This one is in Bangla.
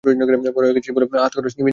বড় হয়ে গেছিস বলে হাত খরচ নিবি না?